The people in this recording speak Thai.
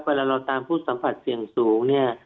เวลาเราตามผู้สัมผัสเสี่ยงสูงเนี่ย